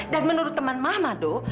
dan menurut teman mama do